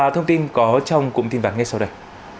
thông tin có trong cụm tin vắn ngay sau đây